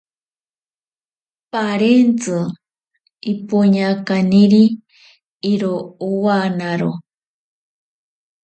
Parentzi ipoña kaniri iro nowanaro.